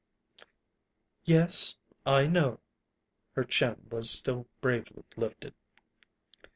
"Yes, I know." Her chin was still bravely lifted.